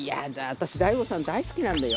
私大悟さん大好きなんだよ。